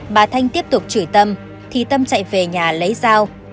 bà thanh tiếp tục chửi tâm thì tâm chạy về nhà lấy dao